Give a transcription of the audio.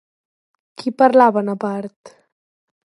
Qui parlaven a part?